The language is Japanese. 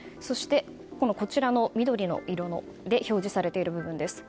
今度緑の色で表示されている部分です。